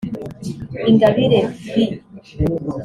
Ingabire V